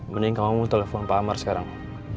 mending kamu telepon pak amar sekarang